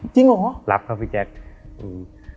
จริงเหรอรับครับพี่แจ๊คอืม